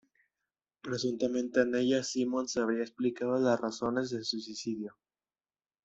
Presuntamente en ellas Simons habría explicado las razones de su suicidio.